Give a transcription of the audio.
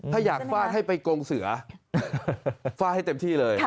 ถ้าอยากฟาดให้ไปกงเสือฟาดให้เต็มที่เลย